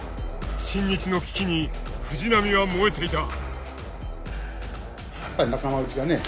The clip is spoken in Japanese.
新日の危機に藤波は燃えていた。